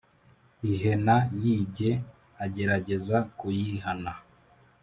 ihena yibye agerageza kuyihana.